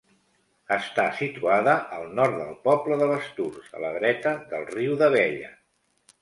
Està situada al nord del poble de Basturs, a la dreta del riu d'Abella.